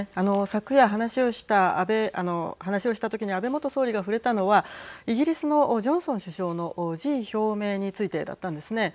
昨夜、話をしたときに安倍元総理が触れたのはイギリスのジョンソン首相の辞意表明についてだったんですね。